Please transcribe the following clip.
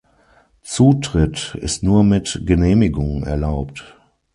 Zutritt ist nur mit Genehmigung erlaubt.